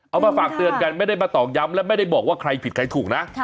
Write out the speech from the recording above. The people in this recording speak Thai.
เอามาฝากเตือนกันไม่ได้มาตอกย้ำและไม่ได้บอกว่าใครผิดใครถูกนะ